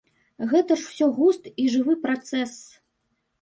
Гэта ж усё густ і жывы працэс.